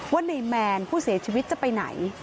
ว่าในแมนผู้เสียชีวิตจะไปไหน